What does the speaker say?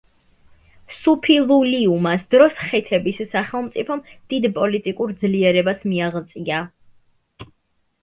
სუფილულიუმას დროს ხეთების სახელმწიფომ დიდ პოლიტიკურ ძლიერებას მიაღწია.